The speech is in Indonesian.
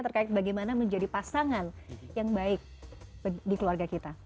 terkait bagaimana menjadi pasangan yang baik di keluarga kita